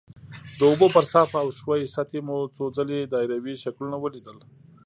د اوبو پر صافه او ښویې سطحې مو څو ځلې دایروي شکلونه ولیدل.